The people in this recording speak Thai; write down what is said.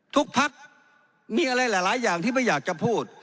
ภักดิ์มีอะไรหลายอย่างที่ไม่อยากจะพูด